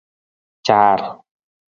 Car.